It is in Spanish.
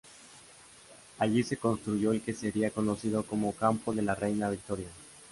Allí se construyó el que sería conocido como campo de la Reina Victoria.